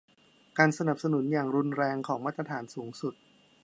การสนับสนุนอย่างรุนแรงของมาตรฐานสูงสุด